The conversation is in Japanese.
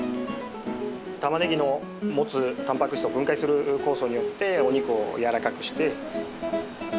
タマネギの持つたんぱく質を分解する酵素によってお肉をやわらかくして。